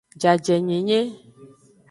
Jajenyenye.